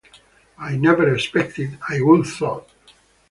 I never expected I would, though.